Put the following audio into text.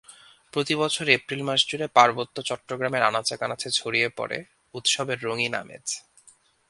প্রতিবছর এপ্রিল মাসজুড়ে পার্বত্য চট্টগ্রামের আনাচকানাচে ছড়িয়ে পড়ে উৎসবের রঙিন আমেজ।